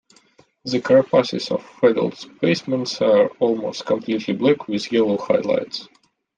The carapaces of adult specimens are almost completely black, with yellow highlights.